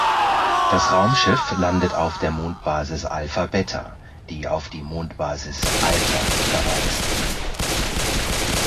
Das Raumschiff landet auf der "Mondbasis Alpha Beta", die auf die "Mondbasis Alpha" verweist.